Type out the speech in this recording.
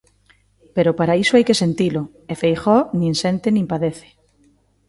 Pero para iso hai que sentilo, e Feijóo nin sente nin padece.